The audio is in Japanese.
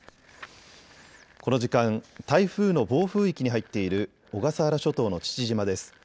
この時間、台風の暴風域に入っている小笠原諸島の父島です。